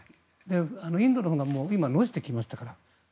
インドのほうが伸びてきましたから。